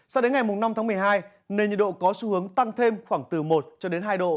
sau đến ngày năm tháng một mươi hai nền nhiệt độ có xu hướng tăng thêm khoảng từ một hai độ